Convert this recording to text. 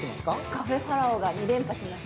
カフェファラオが２連覇しましたね。